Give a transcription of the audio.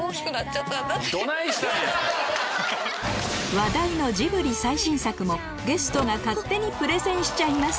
話題のジブリ最新作もゲストが勝手にプレゼンしちゃいます